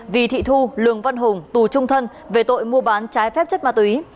vì thị thu lường văn hùng tù trung thân về tội mua bán trái phép chất ma túy